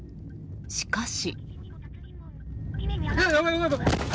しかし。